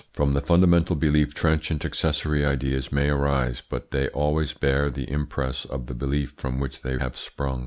From the fundamental belief transient accessory ideas may arise, but they always bear the impress of the belief from which they have sprung.